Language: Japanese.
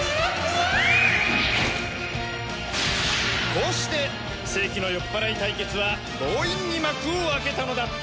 こうして世紀の酔っ払い対決は強引に幕を開けたのだった。